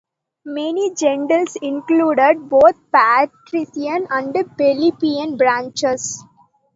Many gentes included both patrician and plebeian branches.